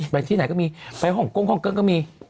ไปที่ไหนก็มีไปฮ่องกงฮ่องเกิ้งก็มี